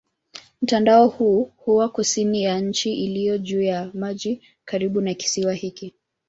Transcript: Mtandao huu huwa kusini ya njia iliyo juu ya maji karibu na kisiwa hiki.